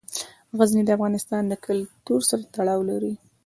غزني د افغان کلتور سره تړاو لري.